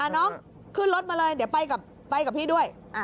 น้องขึ้นรถมาเลยเดี๋ยวไปกับพี่ด้วย